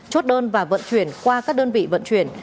chốt đơn và vận chuyển qua các đơn vị vận chuyển